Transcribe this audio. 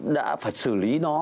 đã phải xử lý nó